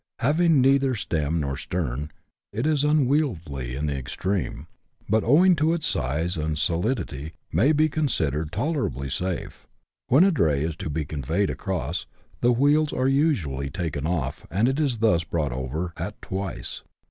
Having neither stem nor stern, it is unwieldy in the extreme, but, owing to its size and solidity, may be considered tolerably safe. When a dray is to be conveyed across, the wheels are usually taken off, and it is thus brought over " at twice."